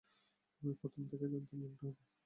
আমি প্রথম থেকেই জানতাম এমনটা হবে!